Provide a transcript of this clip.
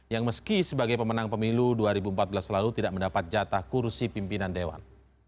yang meski sebagai pemenang pemilu dua ribu empat belas lalu tidak mendapat jatah kursi pimpinan dewan